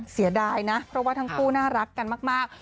เสียดายนะเพราะว่าทั้งคู่น่ารักกันมาก